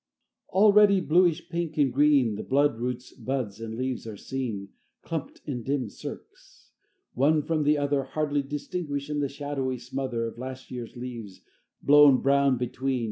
IX Already bluish pink and green The bloodroot's buds and leaves are seen Clumped in dim cirques; one from the other Hardly distinguished in the shadowy smother Of last year's leaves blown brown between.